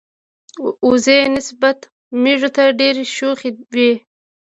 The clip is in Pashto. وزې نسبت مېږو ته ډیری شوخی وی.